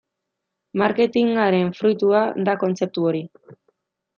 Marketingaren fruitua da kontzeptu hori.